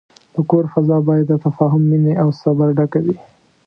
د کور فضا باید د تفاهم، مینې، او صبر ډکه وي.